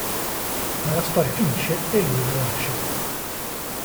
Ma la storia finisce e lui la lascia.